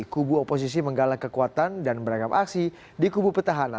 kubu oposisi menggalak kekuatan dan beragam aksi di kubu petahana